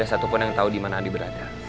gak ada satupun yang tahu dimana andi berada